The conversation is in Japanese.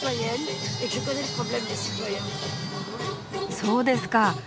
そうですか。